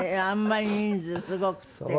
あんまり人数すごくて。